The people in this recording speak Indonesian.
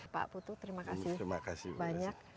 pak putu terima kasih banyak